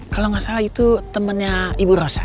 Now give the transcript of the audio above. kalau gak salah itu temennya ibu rosa